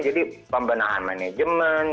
jadi pembenahan manajemen